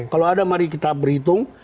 kalau ada mari kita berhitung